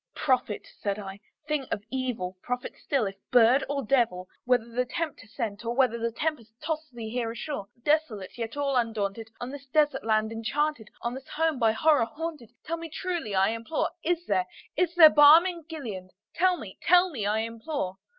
"Prophet!" said I, "thing of evil! prophet still, if bird or devil! Whether Tempter sent, or whether tempest tossed thee here ashore, Desolate, yet all undaunted, on this desert land enchanted On this home by Horror haunted tell me truly, I implore, Is there, is there balm in Gilead? tell me tell me, I implore!"